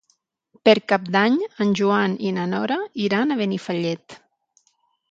Per Cap d'Any en Joan i na Nora iran a Benifallet.